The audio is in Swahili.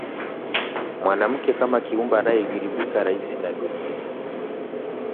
Mwanamke kama kiumbe anayeghilibika rahisi na dunia